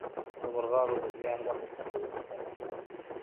د مرغانو د زیان مخه څنګه ونیسم؟